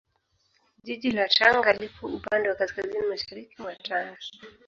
Jiji la Tanga lipo upande wa Kaskazini Mashariki mwa Tanga